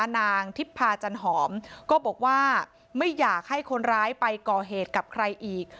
นางทิพพาจันหอมก็บอกว่าไม่อยากให้คนร้ายไปก่อเหตุกับใครอีก